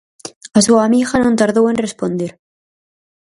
A súa amiga non tardou en responder.